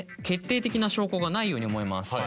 決定的な証拠がないように思えます。